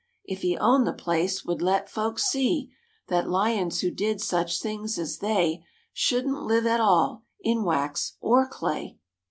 If he owned the place, would let folks see That lions who did such things as they Shouldn't live at all in wax or clay.